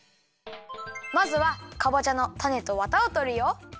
まずはかぼちゃのたねとワタをとるよ。